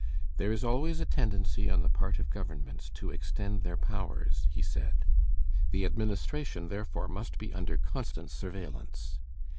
"There is always a tendency on the part of governments to extend their powers," he said; "the administration therefore must be under constant surveillance."